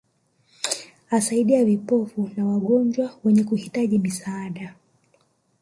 Asaidia vipofu na wagonjwa wenye kuhitaji misaada